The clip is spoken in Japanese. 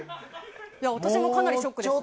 私もかなりショックです。